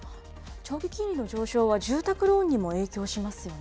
長期金利の上昇は、住宅ローンにも影響しますよね。